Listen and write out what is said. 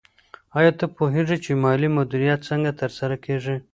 آیا ته پوهېږې چې مالي مدیریت څنګه ترسره کېږي؟